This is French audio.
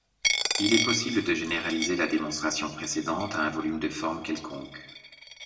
Il est possible de généraliser la démonstration précédente à un volume de forme quelconque.